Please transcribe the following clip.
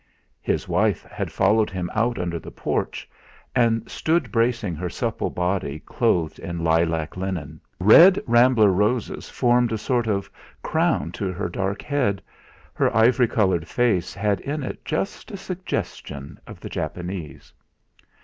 His wife had followed him out under the porch, and stood bracing her supple body clothed in lilac linen. Red rambler roses formed a sort of crown to her dark head; her ivory coloured face had in it just a suggestion of the Japanese.